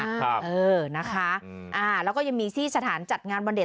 ครับนะคะแล้วก็ยังมีที่สถานที่จัดงานวันเด็ก